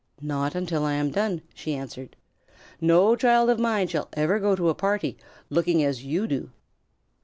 "Not until I am done," she answered. "No child of mine shall ever go to a party looking as you do."